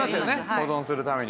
保存するために。